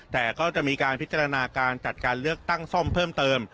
แต่ก็จะมีการพิจารณาการจัดการเลือกตั้งซ่อมเพิ่มเติม